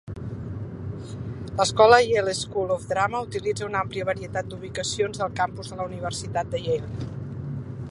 L'escola Yale School of Drama utilitza una àmplia varietat d'ubicacions del campus de la Universitat de Yale.